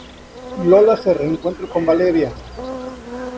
Lola se reencuentra con Valeria.